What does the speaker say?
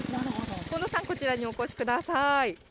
近藤さん、こちらにお越しください。